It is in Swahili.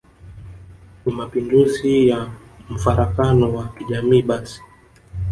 ni Mapinduzi ya mfarakano wa kijamii basi